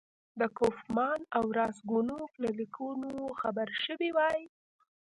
د کوفمان او راسګونوف له لیکونو خبر شوی وای.